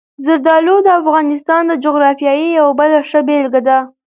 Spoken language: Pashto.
زردالو د افغانستان د جغرافیې یوه بله ښه بېلګه ده.